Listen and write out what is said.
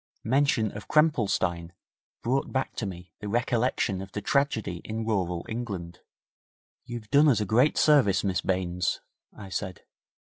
Mention of Krempelstein brought back to me the recollection of the tragedy in rural England. 'You've done us a great service, Miss Baines,' I said.